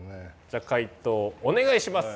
じゃあ解答お願いします。